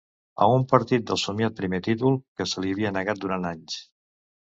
A un partit del somiat primer títol que se li havia negat durant anys.